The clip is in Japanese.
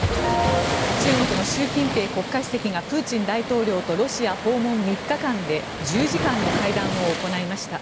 中国の習近平国家主席がプーチン大統領とロシア訪問３日間で１０時間の会談を行いました。